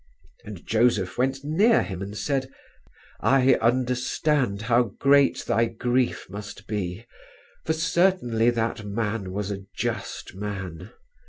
And Joseph went near him and said, 'I understand how great thy grief must be, for certainly that Man was a just Man.'